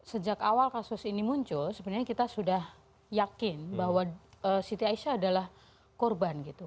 sejak awal kasus ini muncul sebenarnya kita sudah yakin bahwa siti aisyah adalah korban gitu